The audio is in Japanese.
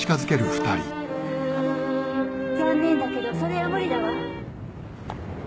残念だけどそれは無理だわ。